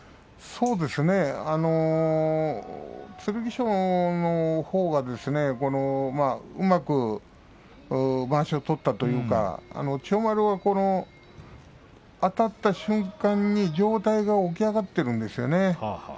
そうですね、剣翔のほうがうまくまわしを取ったというか千代丸はあたった瞬間に上体が起き上がっているんですよね。